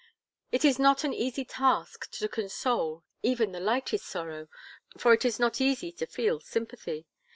It is not an easy task to console, even the lightest sorrow, for it is not easy to feel sympathy.